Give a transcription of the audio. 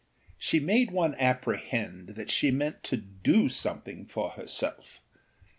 She made one apprehend that she meant to do something for herself.